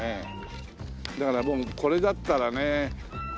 だからもうこれだったらね。